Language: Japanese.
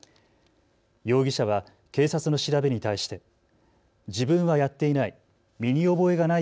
容疑者は警察の調べに対して自分はやっていない。